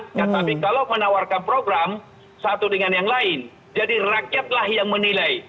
nah tapi kalau menawarkan program satu dengan yang lain jadi rakyatlah yang menilai